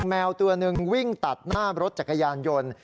แมวตัวหนึ่งวิ่งตัดหน้ารถจักรยานยนต์